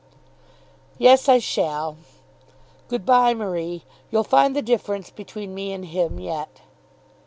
"Yes, I shall. Good bye, Marie. You'll find the difference between me and him yet."